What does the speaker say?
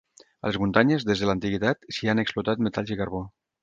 A les muntanyes, des de l'antiguitat, s'hi han explotat metalls i carbó.